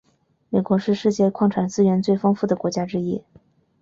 美国是世界矿产资源最丰富的国家之一。